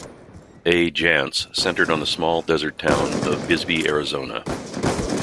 A. Jance, centered on the small desert town of Bisbee, Arizona.